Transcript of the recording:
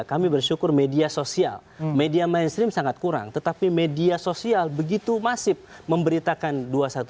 kami bersyukur media sosial media mainstream sangat kurang tetapi media sosial begitu masif memberitakan dua ratus dua belas